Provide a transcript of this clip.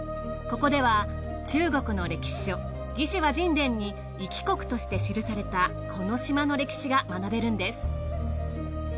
ここでは中国の歴史書『魏志倭人伝』に一支国として記されたこの島の歴史が学べるんです。